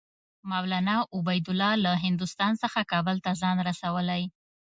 مولنا عبیدالله له هندوستان څخه کابل ته ځان رسولی.